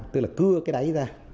tức là cưa cái đáy ra